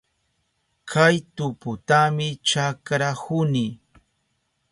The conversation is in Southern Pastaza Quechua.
Kay tuputami chakrahuni.